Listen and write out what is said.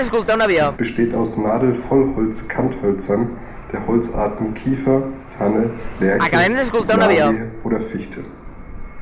Es besteht aus Nadelvollholz-Kanthölzern der Holzarten Kiefer, Tanne, Lärche, Douglasie oder Fichte.